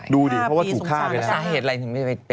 ดูดิเพราะถูกฆ่าไปแล้ว